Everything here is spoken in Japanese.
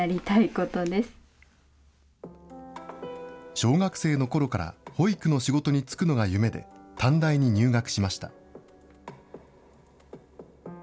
小学生のころから保育の仕事に就くのが夢で、短大に入学しました。